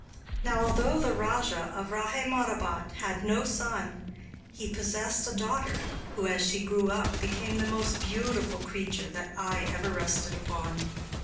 Now, although the rajah of Rahmatabad had no son, he possessed a daughter, who as she grew up became the most beautiful creature that eye ever rested upon.